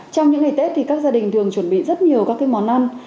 trong những ngày tết thì các gia đình thường chuẩn bị rất nhiều các món ăn